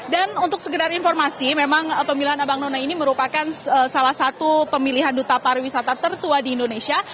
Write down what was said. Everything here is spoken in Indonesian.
dan untuk segedar informasi memang pemilihan abang none ini merupakan salah satu pemilihan duta pariwisata tertua di indonesia